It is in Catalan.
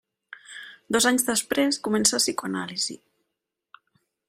Dos anys després comença psicoanàlisi.